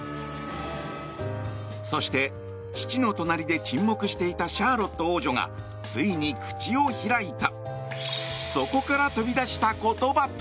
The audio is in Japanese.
そして父の隣で沈黙していたシャーロット王女がついに口を開いた。